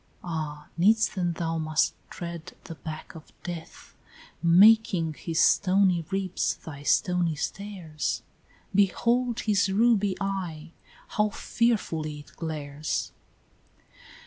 "Ah, needs then thou must tread the back of death, Making his stony ribs thy stony stairs. Behold his ruby eye, how fearfully it glares!"